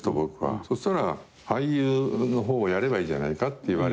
そしたら「俳優の方をやればいいじゃないか」と言われて。